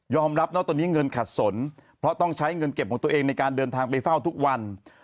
รับนะตอนนี้เงินขัดสนเพราะต้องใช้เงินเก็บของตัวเองในการเดินทางไปเฝ้าทุกวัน